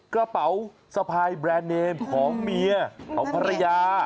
กระเป๋าสะพายแบรนด์เนมของเมียของภรรยา